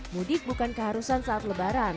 mudik bukan keharusan saat lebaran